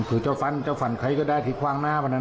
ถือเจ้าฟันเจ้าฟันใครก็ได้ทิศคว้างหน้าเหมือนนั้น